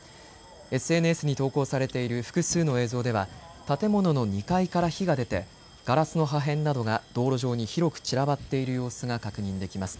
ＳＮＳに投稿されている複数の映像では建物の２階から火が出てガラスの破片などが道路上に広く散らばっている様子が確認できます。